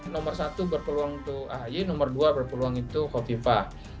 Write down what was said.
nomor satu berpeluang untuk ahy nomor dua berpeluang itu kofifa